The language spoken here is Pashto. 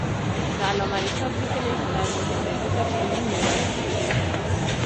د علامه رشاد لیکنی هنر مهم دی ځکه چې علمي میراث پرېږدي.